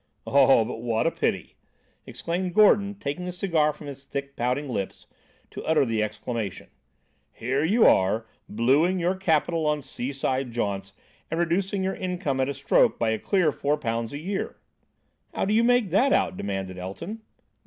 "Oh, but what a pity!" exclaimed Gordon, taking the cigar from his thick, pouting lips to utter the exclamation. "Here you are, blueing your capital on seaside jaunts and reducing your income at a stroke by a clear four pounds a year." "How do you make that out?" demanded Elton.